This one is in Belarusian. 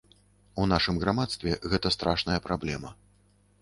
У нашым грамадстве гэта страшная праблема.